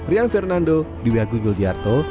rian fernando di wg yuljarto